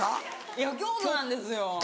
いや京都なんですよ。